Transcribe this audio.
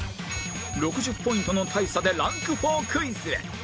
６０ポイントの大差でランク４クイズへ